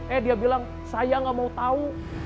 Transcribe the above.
eh dia bilang saya gak mau tahu